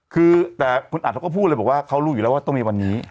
คือแต่คุณอัดเขาก็พูดเลยบอกว่าเขารู้อยู่แล้วว่าต้องมีวันนี้